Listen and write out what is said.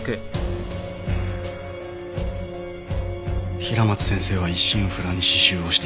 平松先生は一心不乱に刺繍をしていました。